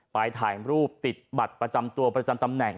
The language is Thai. ถ่ายรูปติดบัตรประจำตัวประจำตำแหน่ง